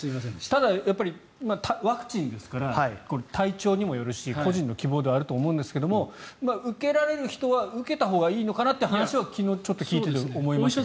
ただ、ワクチンですから体調にもよるし個人の希望ではあると思うんですが受けられる人は受けたほうがいいのかなというのは昨日ちょっと聞いていて思いました。